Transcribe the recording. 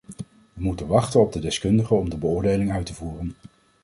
We moeten wachten op de deskundigen om de beoordeling uit te voeren.